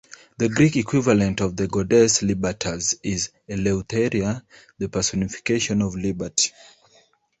The Greek equivalent of the goddess Libertas is Eleutheria, the personification of liberty.